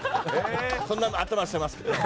こんな頭してますけど。